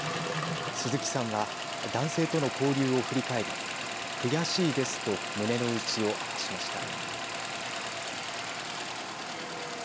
鈴木さんは男性との交流を振り返り悔しいですと胸の内を明かしました。